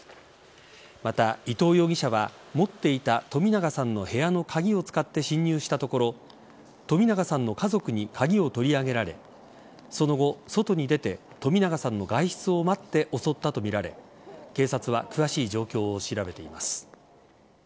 また、伊藤容疑者は持っていた冨永さんの部屋の鍵を使って侵入したところ冨永さんの家族に鍵を取り上げられその後、外に出て冨永さんの外出を待って襲ったとみられ警察は詳しい状況を調べています。